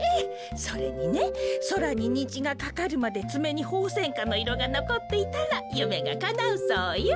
それにねそらににじがかかるまでつめにホウセンカのいろがのこっていたらゆめがかなうそうよ。